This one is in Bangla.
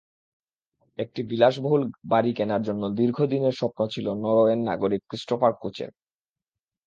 একটি বিলাসবহুল বাড়ি কেনার জন্য দীর্ঘদিনের স্বপ্ন ছিল নরওয়ের নাগরিক ক্রিস্টোফার কোচের।